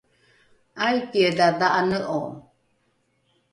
aikiedha dha’ane’o?